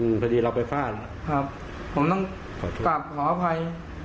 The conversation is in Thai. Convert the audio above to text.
พอดีเราไปฟาดครับผมต้องกลับขออภัย